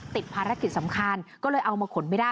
ติดภารกิจสำคัญก็เลยเอามาขนไม่ได้